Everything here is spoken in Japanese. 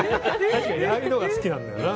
確かに矢作のほうが好きなんだよな。